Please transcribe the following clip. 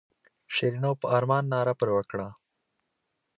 شیرینو په ارمان ناره پر وکړه.